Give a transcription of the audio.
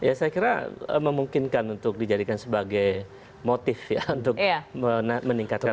ya saya kira memungkinkan untuk dijadikan sebagai motif ya untuk meningkatkan